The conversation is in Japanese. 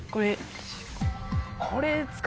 これ。